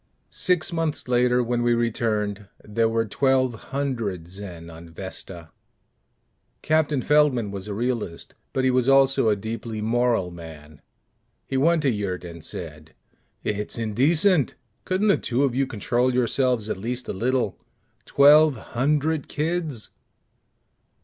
Six months later, when we returned, there were twelve hundred Zen on Vesta! Captain Feldman was a realist but he was also a deeply moral man. He went to Yurt and said, "It's indecent! Couldn't the two of you control yourselves at least a little? _Twelve hundred kids!